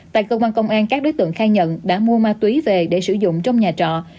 tại cơ quan công an các đối tượng khai nhận đã mua ma túy về để sử dụng trong nhà trọ